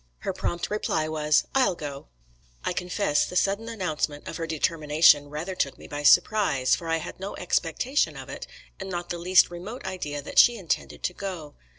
"Her prompt reply was, 'I will go.' "I confess the sudden announcement of her determination rather took me by surprise, for I had no expectation of it, and not the least remote idea that she intended to go.